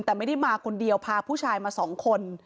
แต่ไม่ได้มาคนเดียวพาผู้ชายมาสองคน